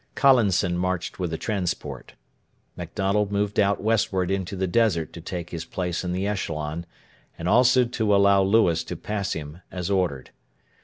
Collinson marched with the transport. MacDonald moved out westward into the desert to take his place in the echelon, and also to allow Lewis to pass him as ordered.